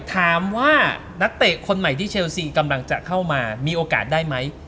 นักเตะคนใหม่ที่เชลซีกำลังจะเข้ามามีโอกาสได้ไหม